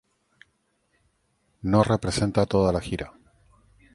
No representa toda la gira.